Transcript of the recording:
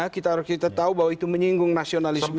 kita harus kita tahu bahwa itu menyinggung nasionalisme